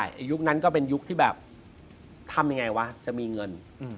ยุคนั้นก็เป็นยุคที่แบบทำยังไงวะจะมีเงิน